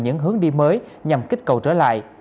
những hướng đi mới nhằm kích cầu trở lại